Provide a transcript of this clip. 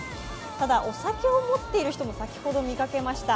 ただお酒を持っている人も先ほど見かけました。